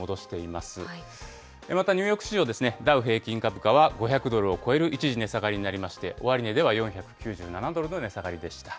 またニューヨーク市場ですね、ダウ平均株価は５００ドルを超える一時値下がりになりまして、終値では４９７ドルの値下がりでした。